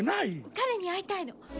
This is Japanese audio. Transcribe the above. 「彼に会いたいの」